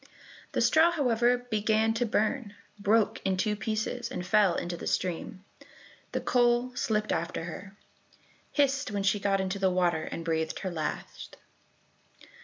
The straw, however, began to burn, broke in two pieces, and fell into the stream. The coal slipped after her, hissed when she got into the water, and breathed her last.